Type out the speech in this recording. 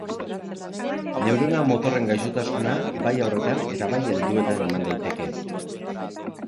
Neurona motorren gaixotasuna bai haurretan eta baita helduetan eman daiteke.